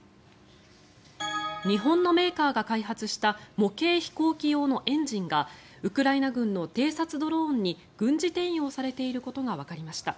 日本のメーカーが開発した模型飛行機用のエンジンがウクライナ軍の偵察ドローンに軍事転用されていることがわかりました。